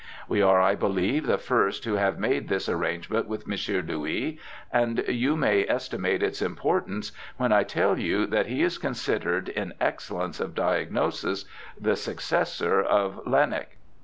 We are, I believe, the first who have made this arrangement with M. Louis, and you may estimate its importance when I tell you that he IS considered in excellence of diagnosis the successor of Laennec.